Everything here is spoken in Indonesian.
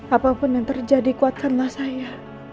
apapun yang terjadi kuatkanlah saya